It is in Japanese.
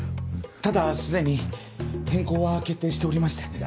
ただ既に変更は決定しておりまして。